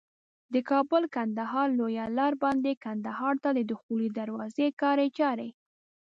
د کابل کندهار لویه لار باندي کندهار ته د دخولي دروازي کاري چاري